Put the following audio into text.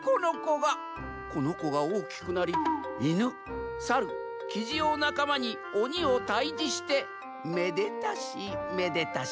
このこがおおきくなりイヌサルキジをなかまにおにをたいじしてめでたしめでたし。